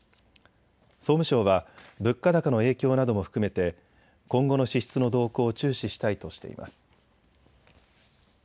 総務省は物価高の影響なども含めて今後の支出の動向を注視したいとしています。